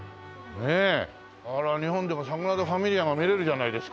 日本でもサグラダ・ファミリアが見れるじゃないですか。